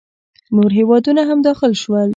نور هیوادونه هم داخل شول.